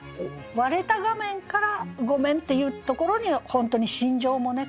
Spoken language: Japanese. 割れた画面から「ごめん」って言うところに本当に心情もね